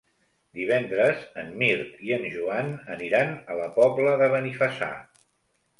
Divendres en Mirt i en Joan aniran a la Pobla de Benifassà.